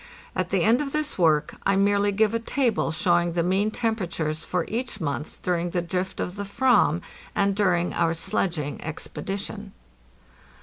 At the end of this work I merely give a table showing the mean temperatures for each month during the drift of the /vam and during our sledging expedi tion.